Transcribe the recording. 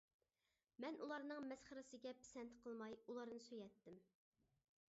مەن ئۇلارنىڭ مەسخىرىسىگە پىسەنت قىلماي، ئۇلارنى سۆيەتتىم.